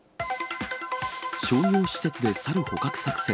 商業施設で猿捕獲作戦。